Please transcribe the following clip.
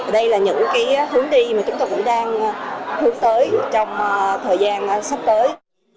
đây là những hướng đi mà chúng tôi cũng đang hướng tới trong thời gian sắp tới